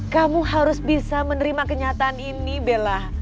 kamu harus bisa menerima kenyataan ini bella